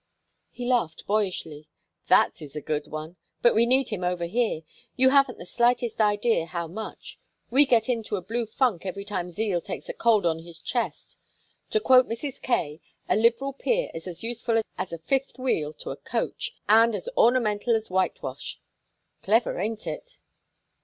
He laughed boyishly. "That is a good one! But we need him over here. You haven't the slightest idea how much. We get into a blue funk every time Zeal takes a cold on his chest. To quote Mrs. Kaye, 'A Liberal peer is as useful as a fifth wheel to a coach, and as ornamental as whitewash.' Clever, ain't it?"